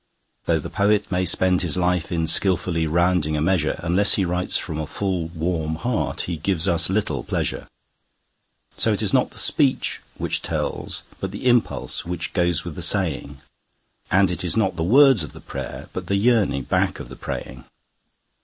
Though the poet may spend his life in skilfully rounding a measure, Unless he writes from a full, warm heart he gives us little pleasure. So it is not the speech which tells, but the impulse which goes with the saying; And it is not the words of the prayer, but the yearning back of the praying.